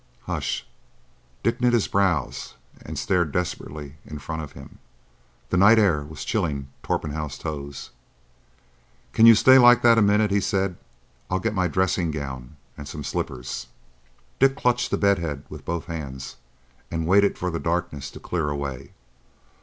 H'sh!" Dick knit his brows and stared desperately in front of him. The night air was chilling Torpenhow's toes. "Can you stay like that a minute?" he said. "I'll get my dressing gown and some slippers." Dick clutched the bed head with both hands and waited for the darkness to clear away.